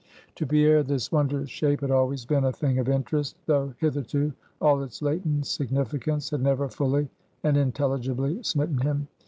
To Pierre this wondrous shape had always been a thing of interest, though hitherto all its latent significance had never fully and intelligibly smitten him.